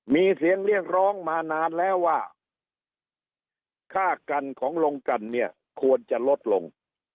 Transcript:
มีเสียงเรียกร้องมานานแล้วว่าค่ากันของลงกันเนี่ยควรจะลดลง